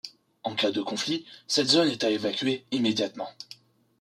En cas de conflit, cette zone est à évacuer immédiatement.